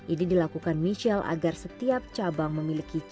ini dilakukan michelle agar setiap cabang memiliki ciri khas